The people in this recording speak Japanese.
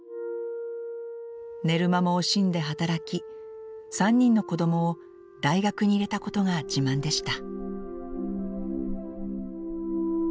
寝る間も惜しんで働き３人の子供を大学に入れたことが自慢でした。